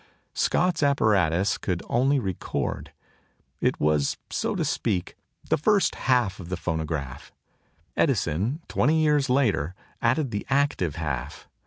Scott's apparatus could only record. It was, so to speak, the first half of the phonograph. Edison, twenty years later, added the active half.